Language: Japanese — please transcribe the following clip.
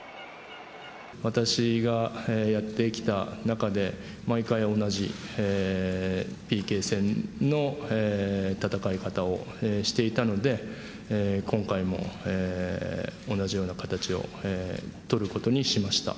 私がやってきた中で、毎回同じＰＫ戦の戦い方をしていたので、今回も同じような形を取ることにしました。